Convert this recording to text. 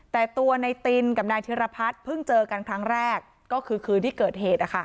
แต่ตัวในตินกับนายธิรพัฒน์เพิ่งเจอกันครั้งแรกก็คือคืนที่เกิดเหตุ